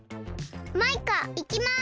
マイカいきます。